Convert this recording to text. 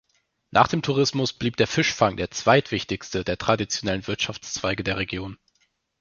Nach dem Tourismus blieb der Fischfang der zweitwichtigste der traditionellen Wirtschaftszweige der Region.